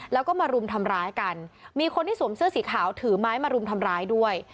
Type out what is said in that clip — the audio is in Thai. แล้วก็มารุมทำร้ายกันมีคนที่สวมเสื้อสีขาวถือไม้มารุมทำร้ายด้วย